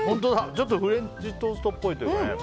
ちょっとフレンチトーストっぽいというか。